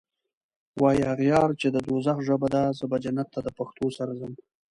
واي اغیار چی د دوږخ ژبه ده زه به جنت ته دپښتو سره ځم